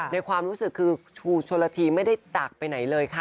ในความรู้สึกคือครูโชลาธีไม่ได้ตากไปไหนเลยค่ะ